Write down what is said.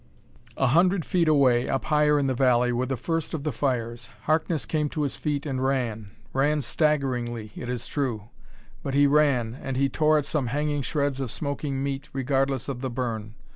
A hundred feet away, up higher in the valley, were the first of the fires. Harkness came to his feet and ran ran staggeringly, it is true, but he ran and he tore at some hanging shreds of smoking meat regardless of the burn.